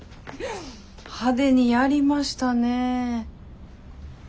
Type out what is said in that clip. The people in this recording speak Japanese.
派手にやりましたね。